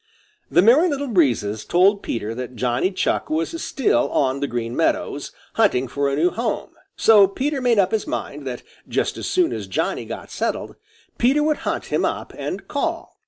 The Merry Little Breezes told Peter that Johnny Chuck was still on the Green Meadows, hunting for a new home, so Peter made up his mind that just as soon as Johnny got settled, Peter would hunt him up and call.